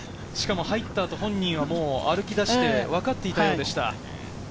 入った後、本人は歩きだして、分かっていたようでした。